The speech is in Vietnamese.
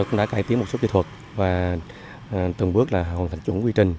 cũng đã cải tiến một số kỹ thuật và từng bước là hoàn thành chuẩn quy trình